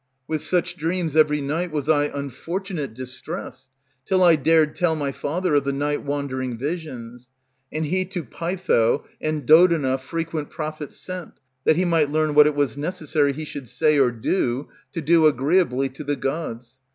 With such dreams every night Was I unfortunate distressed, till I dared tell My father of the night wandering visions. And he to Pytho and Dodona frequent Prophets sent, that he might learn what it was necessary He should say or do, to do agreeably to the gods.